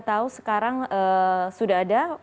tahu sekarang sudah ada